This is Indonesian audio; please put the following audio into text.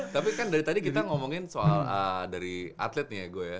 tapi kan dari tadi kita ngomongin soal dari atlet nih ego ya